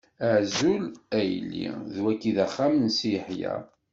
Azul a yelli, d wagi i d axxam n Si Yeḥya?